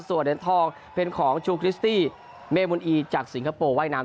ส่วนเหรียญทองเป็นของชูคริสตี้เมมนอีจากสิงคโปร์ว่ายน้ำ